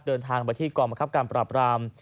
เดินทางไปที่กองบังคับการปราบราม